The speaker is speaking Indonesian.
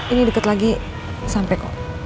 ini dekat lagi sampai kok